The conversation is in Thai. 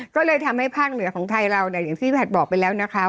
ก็เลยทำให้ภาคเหนือของไทยเราเนี่ยอย่างที่พี่ผัดบอกไปแล้วนะคะ